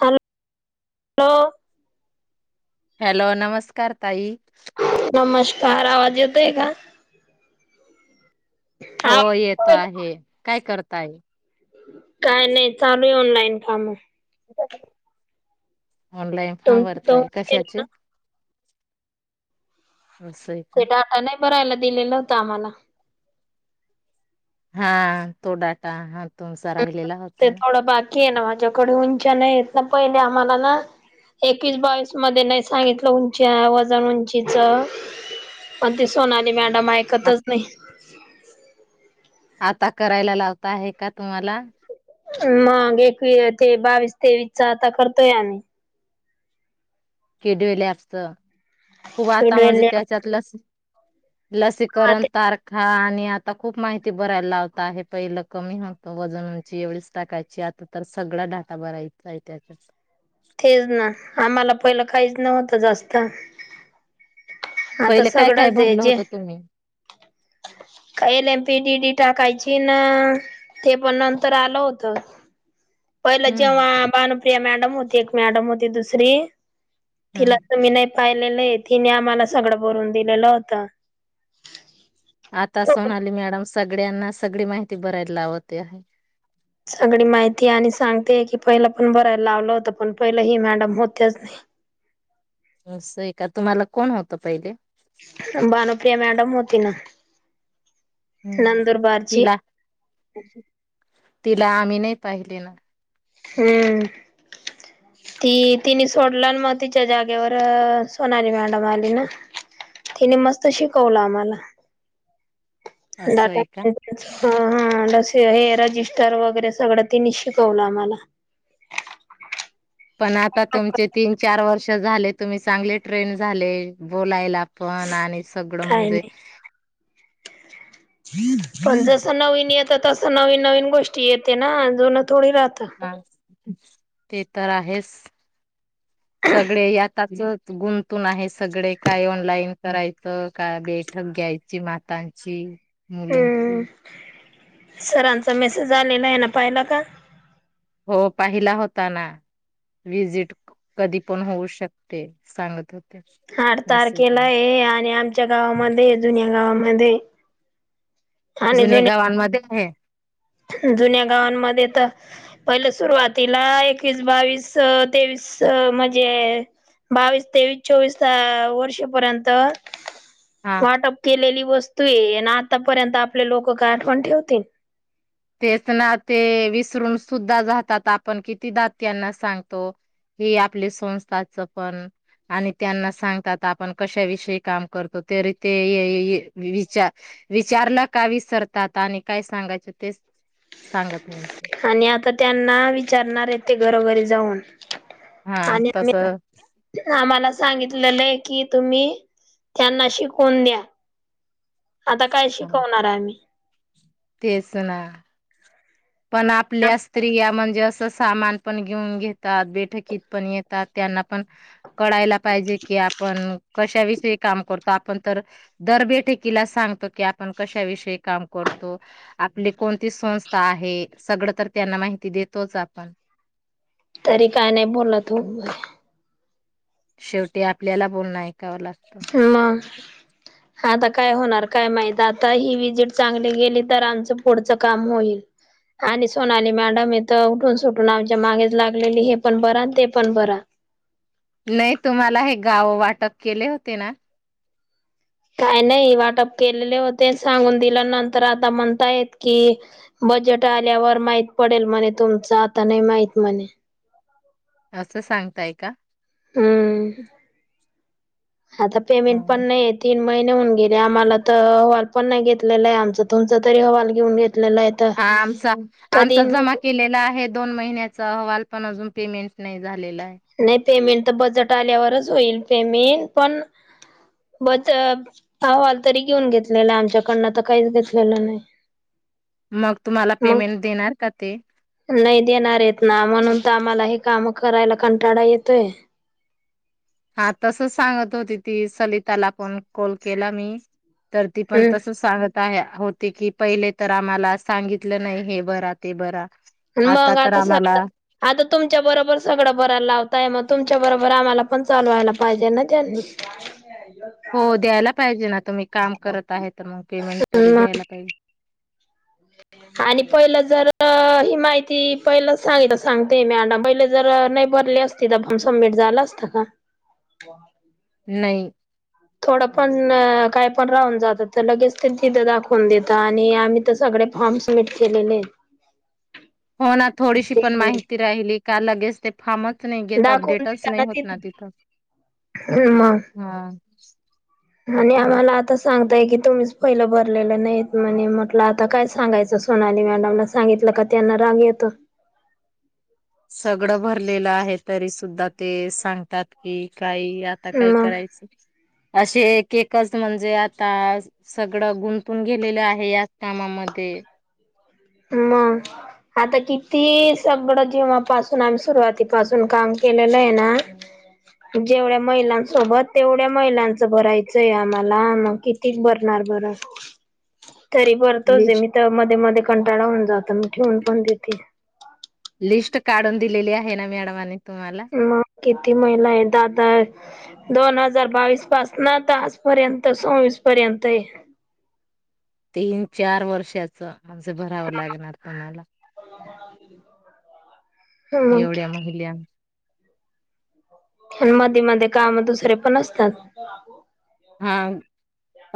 Hello hello hello नमस्कार ताई नमस्कार आवाज येतोय का हो येत आवाज आहे काय करत ताय काय नाही चालू आहे ऑनलाईन कामं [unintelligible] ऑनलाईन फॉम तुमच तो भरताय केलं ना कशाचे अस हाय ते का डाटा नाही भरायला दिलेलं होत आम्हाला. हा तो डाटा ह तुमचा राहिलेला होता ते ना थोडं बाकी ना माझ्याकडे उंच्या नाही येत ना पहिले आम्हाला ना एकवीस बावीस मध्ये नाही सांगितलं उं वजन उंचीच म सोनाली म कामं ऐकतच आत- नाही आता करायला लावता आहे का तुम्हाला मग एकवी ते बावीस तेवीस चा आता करतोय आम्ही कडवेला असत खूप आता म्हणजे शेड्यूल त्याच्यातलं हा लसीकरण ते तारखा आणि आता खूप माहिती भरायला लावत आहे पहिलं कमी होतं वजनंऊंची एवढीच टाकायची आता तर सगळा डाटा भरायचा आहे त्याच्यात. तेच ना आम्हाला पहिलं काहीच नव्हत जास्त आता पहिले काय काय भरलं होत तुम्ही काही लेंपी डीडी टाकायची ना ते पण नंतर आलं होत. पहिले हम्म जेव्हा बा प्रिया मॅडम होती एक मॅडम होती दुसरी. तिला हम्म त मी नाही. पाहिलेलं तिने आम्हाला सगळं बरून दिलेलं होत आता सोनली मॅडम सगळ्यांना सगळी माहिती भरायला लावते आहे सगळी माहिती आणि सांगते की पहिला पण बरायला लावलं होत पण पहिलं ही मॅडम होतेच नाही स आहे का तुम्हाला कोण होतं पहिले भानुप्रिया मॅडम होती ना हम्म नंदुर बारचीी तिला तिला आम्ही नाही पाहिले ना हम्म ती तिने सोडलं आणि मग तिच्या जागेवर सोनाली मॅडम आली ना तिने मस्त शिकवलं आम्हाला [inaudible] ह असं आहे का हा हा हे रजिस्टर वगैरे सगळं तिनी शिकवलं आम्हाला पण आता तुमचे तीन चार वर्ष झाले तुम्ही चांगले ट्रेन झाले बोलायला आपण आणि सगळं काही म्हणजे नाही पण जस नवीन येतं तस नवीन नवीन गोष्टी येते ना जुन थोडी रात हा, ते तर आहेच सगळे यात च गुंतून आहे सगळे काय ऑनलाईन करायचं काय बैठक घ्यायची मातांची हम्म मुलींची सरांचा मेसेज आलेलाय ना पाहिला का हो पाहिला होता ना विजिट कधी पण होऊ शकते सांगत आठ मेसेज मध्ये तारखेलाय आणि आमच्या गावामध्ये जुन्या गावामध्ये जुन्या गावांमध्ये हे जुन्या गावांमध्ये तर पहिलं सुरुवातीला एकवीस बावीस तेवीस म्हणजे बावीस तेवीस चोवीस वर्षेपर्यंत हा वाटप केलेली वस्तूय न आतापर्यंत आपले लोक काय आठवण ठेवतील तेच ना ते विसरून सुद्धा जातात आपण किती दात त्यांना सांगतो हे आपली संस्थाच पण आणि त्यांना सांगतात आपण कशाविषयी काम करतो तरी ते विचार विचारलं का विसरतात आणि काय सांगायच ते आणि आता त्यांना विचारणार येते घरोघरीच जाऊन हा आणि तस आम् आम्हाला सांगितलेलं कि तुम्ही त्यांना शिकवून द्या आता काय शिकवणार आहे आम्ही तेच ना पण आपल्या स्त्रिया म्हणजे अस सामान पण घेऊन घेतात बैठकीत पण येतात त्यांना पण कळायला पाहिजे की आपण कशाविषयी काम करतो आपण तर दर बेठेकीला सांगतो की आपण कशाविषयी काम करतो आपली कोणती संस्था आहे सगळं तर त्यांना माहिती देतोच आपण तरी काय नाही बोलतेय शेवटी आपल्याला बोलण आहे कावा लागतो मग आता काय होणार काय माहित आता ही विजिट चांगली गेली तर आमचं पुढचं काम होईल आणि सोनाली मॅडम येथं उठून सुटून आमच्या मागेच लागलेली हे पण बरा ते पण बरा नाही तुम्हाला हे गाव वाटक केले होते ना काय नाही वाटप केलेले होते सांगून दिल्या नंतर आता म्हणता येत कि बजेट आल्यावर माहित पडेल म्हणे तुमच आता नाही माहित म्हणे असं सांगताय का हम्म ह् आता पेमेंट पण नाही ती म होऊन गेले आम्हाला तर अहवाल पण नाही घेतलेला आहे आमच तुमचा तरीहवाल घेऊन घेतलेला आहे तर हा आमचा कधी आमचा जमा नाही केलेला आहे दोन महिन्याचा अहवाल पण अजून पेमेंट नाही झालेला आहे नाही पेमेंट तर बजट आल्यावरच होईल पेमेंट पण बच अहवाल तरी घेऊन घेतलेला आमच्याकडन तर काहीच घेतलेलं नाही मग तुम्हाला मग पेमेंट देणार का ते नाही देणार आहेत ना म्हणून तर आम्हाला हे काम करायला कंटाळाा येतोय हा तसच सांगत होती ती सलिताला पण कॉल केला मी तर ती पण हम्म तस सांगत होते की पहिले तर आम्हाला सांगितलं नाही हे बरा ते बरा मग आता सगळं आता तुमच्या बरोबर सगळं बरा लावताय मग तुमच्या बरोबर रामाला पण चालवायला पाहिजे ना त्यांनी हो द्यायला पाहिजे ना तुम्ही काम करत आहे तर मग पेमेंट तरी मग द्यायला पाहिजे आणि पहिलं जर ही माहिती पहिलं सांगितित सांगते मीडाम पहिले जर नाही बरली असती तर फम सबमिट झाला असता का नाही थोडं पण काय पण राहून जात तर लगेच ते तिथं दाखवून देत आणि आम्ही तर सगळे फॉर्म सबमिट केलेले आहेत हो ना थोडीशी पण ते माहिती राहिली का लगेच ते फामच नाही गे त दाखवून अपडेटच नाही देताना होत ते नाही तिथ मग हा आणि आम्हाला आता सांगताय कि तुम्हीच पहिलं भरलेलं नाहीत म्हणे. म्हटलं आता काय सांगायचं सोनाली मॅडमला, सांगितलं का त्यांना राग येतो. सगडं भरलेलं आहे तरी सुद्धा ते सांगतात की. काही आता काय मग करायचं, असे एक केकस म्हणजे आता सगडं गुंतून गेलेलं आहे याच कामामध्ये. मंग, आता कित तीसाबडं जेंव्हा पासून आमी सुरुवाती पासून काम केलेलेयना जेवढ्या महिलांसोबत तेवढ्या महिलांचं भरायचंय आम्हाला, मग कितीच भरणार बरं. तरी बरतोे ज ए लिस्ट मी त मध्ये मध्ये कंटाळा होऊन जातंन् ठीेऊन पण देते. लिस्ट काडून दिलेली आहे ना मॅडमाने. तुम्हाला म किती महिला आय दाद आय, दोन हजार बावीस पासनं आता आजपर्यंत सोवीस पर्यंत ए. तीन चार वर्षाचा. माणसं भरावं लागणार तुम्हाला. [inaudible] मग एवढ्या महिल्या. मध्ये-मध्ये कामं दुसरे पण असतात. आं,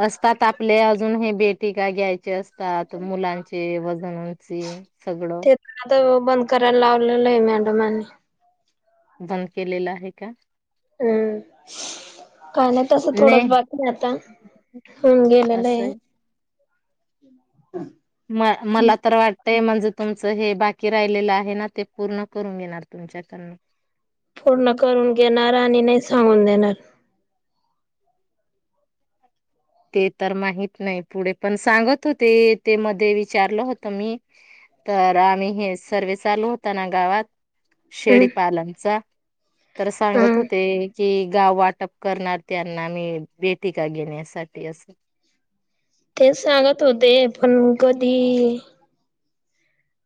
असतात आपले आजून हे बेटी का ग्यायचे अस् तात मुलांचे वजनांचे सगडं. ते पण आता बंद कराय लावलेलाय मॅडमाने. बंद केलेला आहे का? हम्म, काय नाही तसं थोडच नाही बकी ए आता होऊन गेलेलं अए. असं [inaudible] म, मला तर वाट ते म्हणजे तुमचं हे बाकी राहिलेलं आहे ना ते पूर्ण करून घेणार तुमच्याकडनं. पूर्ण करून घेणार आणि नाही सांगून देणार. ते तर माहत नाही. पुढे पण सांगत होते, ते मध्ये विचारलं होत मी तर आम्ही हे सर्वे चालू होता ना गावात. हम्म शेडीपालनचा. तर सांगत हम्म होते कि गाव वाटप करणार त्यांना मी. बेटी का गेन्यासाट ते असं. ते सांगत होते पण कधी.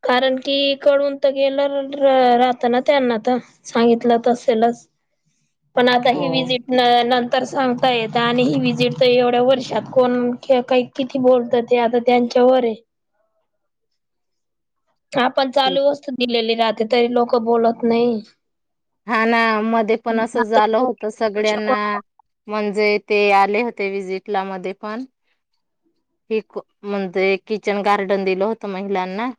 कारण कि कडून त गेलं र रातं ना त्यांना ता सांगितलं त असेलच. पण आता ह हो. विजिट नंतर सांगता येत आणि ही विजिट तर एवढ्या वर्षात कोण काही किती बोलत ते आता त्यांच्यावर आहे हा पण चालू असस्त दिलेली राहते तरी लोक बोलत नाही हा ना मध्ये पण असं आता झालं होत सगळ्यांना शिकवण म्हणजे ते आले होते वि्हजिट ला मध्ये पण ह म्हणजे किचन गार्डन दिलं होतं महिलांना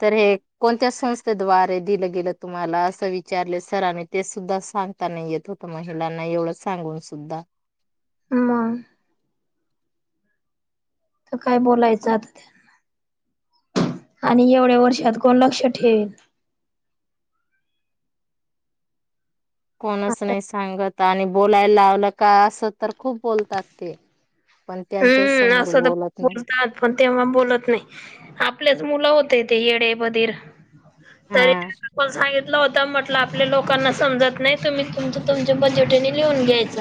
तर हे कोणत्या संस्थेद्वारा दिलं गेलं तुम्हाला असं विच विचारलं सरांनी ते सुद्धा सांगता येत नव्हतं महिलांना एवढं सांगून सुद्धा मग तर काय बोलायचं आता त्यांना आणि एवढ्या वर्षात कोण लक्ष ठेवेल कोणच आता नाही सांगत आणि बोलायला लावलं का असं तर खूप बोलतात ते पण त्यांच्या हम्म समोर असं तर बोलत खूप नाही बोलतात पण तेव्हा बोलत नाही आपल्या मुलं होते ते येडे बधिर तरी हा त्यांनी पण सांगितलं म्हटलं होतं म्हंटलं आपल्या लोकांना समजत नाही तुम्ही तुमच्या तुमच्या बजेटने लिहून घ्यायच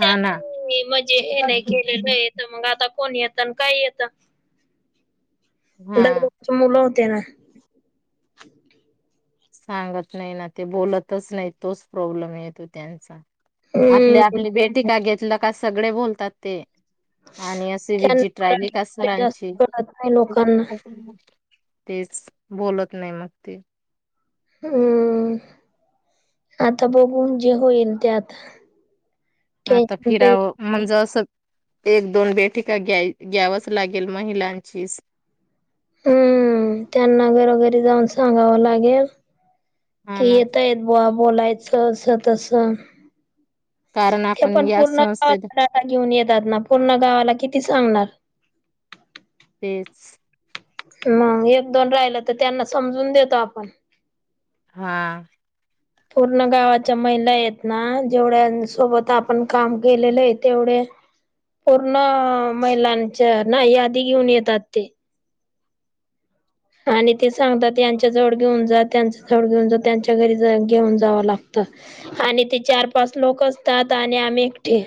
हा ना तर मंग आता कोण येत आणि काय येत दग हा बुकचे मुलं होते ना सांगत नाही ना ते बोलतच नाही तोच प्रॉब्लेम येतो त्यांचा आपल्या हम्म आपली भेटी का घेत लका सगळे बोलतात ते आणि अशी त्यांना विजीट राहिली का मराठी जास्त सरांची कळत नाही लोकांना तेच बोलत नाही मग ते हम आता बघून जे होईल त्यात आता फिरावं म्हणजे असंच एक दोन बैठिका घ्यावच लागेल महिलांचीच हम्म त्यांना घरोघरी जाऊन सांगावं लागेल हा की ना येत येत बुवा बोलायच स असं तसं कारण ते आपण पण या पूर्ण संस्थेत गावाात डाटा घेऊन येतात ना पूर्ण गावाला किती ती सांगणार. तेच. मग एक दोन राहिलं तर त्यांना समजून देतो आपण. हा. पूर्ण गावाच्या महिला आहेत ना जेवढ्यां सोबत आपण काम केलेलं आहे तेवढे पूर्ण महिलांच्या ना यादी घेऊन येतात ते. आणि ते सांगतात यांच्या जवळ घेऊन जा त्यांच्या जवळ घेऊन जा आणि ते सांगतात यांच्याजवळ घेऊन जा त्यांच्या जवळ घेऊन जा त्यांच्या घरी घेऊन जावं लागतं आणि ते चार पाच लोक असतात. आणि आम्ही एकटे.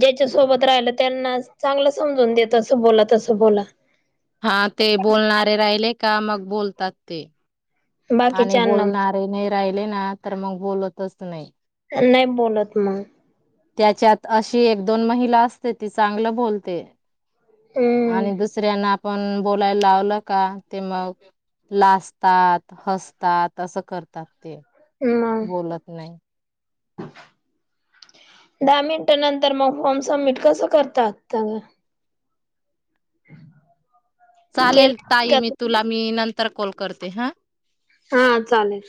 ज्याच्या सोबत राहिलं त्यांना चांगलं समजून देत अस बोला तसं बोला हा ते बोलणारे राहिले क का मग बोलतात ते. आणि बाकीच्यांना बोलणारे [unintelligible] राहिले ना तर मग बोलतच नाही. तर नाही बोलत मग. त्याच्यात अशी एक दोन महिला असते ती चांगलं बोलते. हम्म आणि दुसऱ्यांना पण बोलायला लावलं का ते मग लाजतात हसतात असं करतात ते. मग बोलत नाही. दहा मिनिट नंतर मग फॉर्म सबमिट कसं करतात? ता ग.. चालेल केलं ताई का मी तुम्ही तुला मी नंतर कॉल करते हा. हा चालेल.